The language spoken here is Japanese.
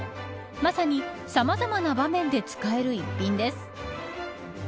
まさにさまざまな場面で使える一品です。